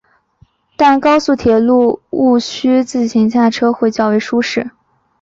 但高速铁路毋须自行驾车会较为舒适。